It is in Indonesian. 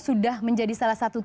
sudah menjadi salah satu